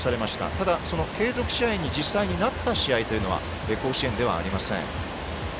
ただ継続試合に実際になった試合というのは甲子園ではありません。